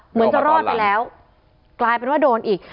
เหมือนจะรอดไปแล้วกลายเป็นว่าโดนอีก